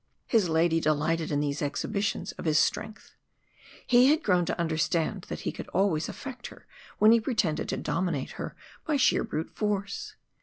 His lady delighted in these exhibitions of his strength. He had grown to understand that he could always affect her when he pretended to dominate her by sheer brute force.